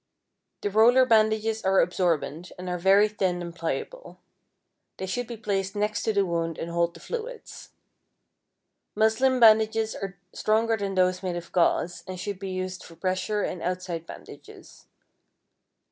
The roller bandages are absorbent, and are very thin and pliable. They should be placed next to the wound and hold the fluids. Muslin bandages are stronger than those made of gauze, and should be used for pressure and outside bandages.